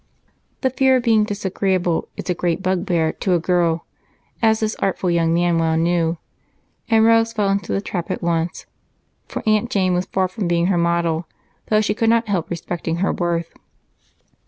The fear of being disagreeable is a great bugbear to a girl, as this artful young man well knew, and Rose fell into the trap at once, for Aunt Jane was far from being her model, though she could not help respecting her worth.